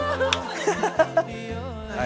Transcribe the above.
はい。